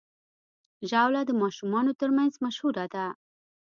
ژاوله د ماشومانو ترمنځ مشهوره ده.